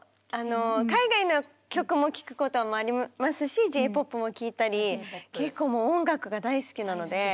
海外の曲も聴くこともありますしＪ−ＰＯＰも聴いたり結構音楽が大好きなので。